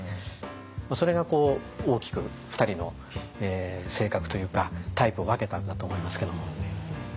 それが大きく２人の性格というかタイプを分けたんだと思いますけども。